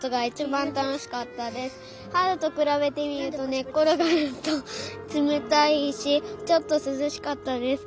はるとくらべてみるとねっころがるとつめたいしちょっとすずしかったです。